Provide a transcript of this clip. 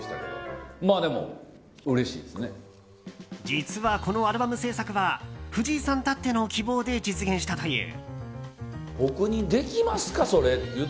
実はこのアルバム制作は藤井さんたっての希望で実現したという。